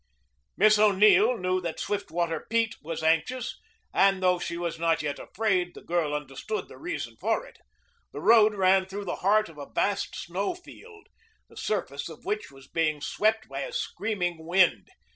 Miss O'Neill knew that Swiftwater Pete was anxious, and though she was not yet afraid, the girl understood the reason for it. The road ran through the heart of a vast snow field, the surface of which was being swept by a screaming wind.